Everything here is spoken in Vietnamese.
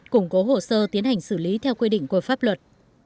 củng cố hồ sơ tiến hành xử lý theo quy định của pháp luật